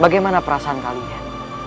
bagaimana perasaan kalian